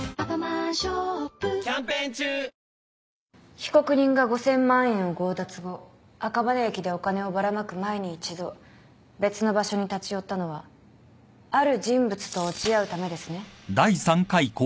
被告人が５，０００万円を強奪後赤羽駅でお金をばらまく前に一度別の場所に立ち寄ったのはある人物と落ち合うためですね。